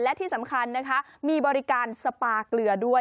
และที่สำคัญนะคะมีบริการสปาเกลือด้วย